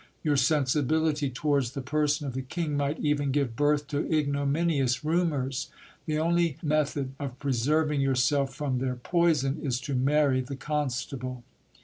Your sensibility towards the person of the king might even give birth to ignominious rumours. The only method of preserving yourself from their poison, is to marry the constable.